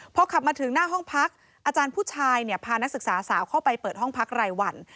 พอขับมาถึงหน้าห้องพักอาจารย์ผู้ชายพานักศึกษาสาวเข้าไปเปิดห้องพักรายวัน